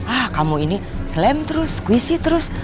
ah kamu ini slime terus squishy terus